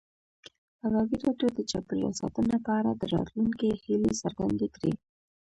ازادي راډیو د چاپیریال ساتنه په اړه د راتلونکي هیلې څرګندې کړې.